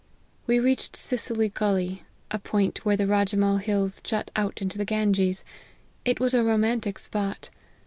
We reached Sicily gully, a point where the Rajemahl hills jut out into the Ganges. It was a romantic spot.